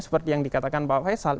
seperti yang dikatakan pak faisal